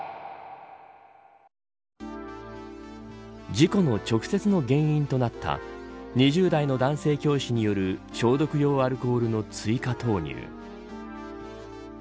事故の直接の原因となった２０代の男性教師による消毒用アルコールの追加投入。